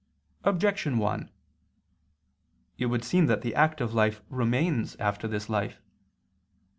Objection 1: It would seem that the active life remains after this life.